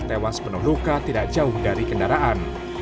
tewas penuh luka tidak jauh dari kendaraan